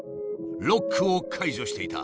ロックを解除していた。